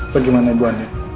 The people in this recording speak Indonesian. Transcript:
bagaimana ibu andin